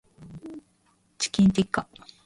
チキンティッカ